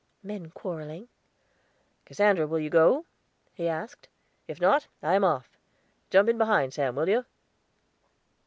"Men quarreling." "Cassandra, will you go?" he asked. "If not, I am off. Jump in behind, Sam, will you?"